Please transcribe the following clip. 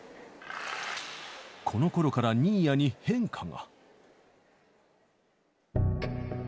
このころから新谷に変化が。